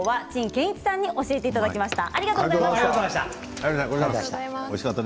陳建一さんに教えていただきました。